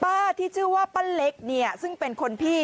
ป้าที่ชื่อว่าป้าเล็กเนี่ยซึ่งเป็นคนพี่